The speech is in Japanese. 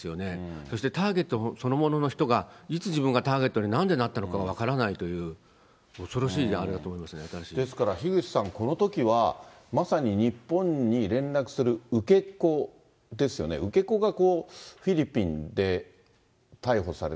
そしてターゲットそのものの人が、いつ自分がターゲットに、なんでなったのか分からないという、恐ろしいと思いますね、ですから、樋口さん、このときは、まさに日本に連絡する受け子ですよね、受け子がフィリピンで逮捕された。